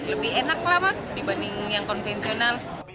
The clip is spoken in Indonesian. lebih enak lah mas dibanding yang konvensional